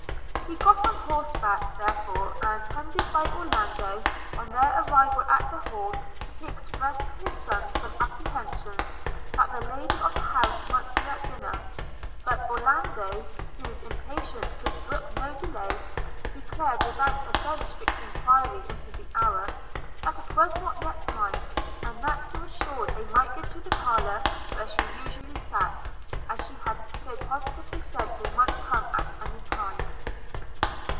He got on horseback, therefore; and, attended by Orlando, on their arrival at the Hall he expressed to his son some apprehensions that the lady of the house might be at dinner: but Orlando, whose impatience could brook no delay, declared, without a very strict enquiry into the hour, that it was not yet time, and that he was sure they might go to the parlour where she usually sat, as she had so positively said they might come at any time.